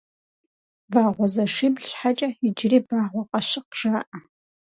Вагъуэзэшибл щхьэкӀэ иджыри Вагъуэкъащыкъ жаӀэ.